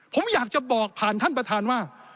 ผมอยากจะบอกผ่านท่านประธานว่า